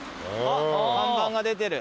看板が出てる。